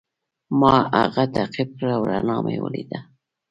ما هغه تعقیب کړ او رڼا مې ولیده.